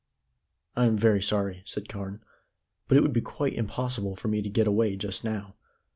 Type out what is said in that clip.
"I am very sorry," said Carne, "but it would be quite impossible for me to get away just now.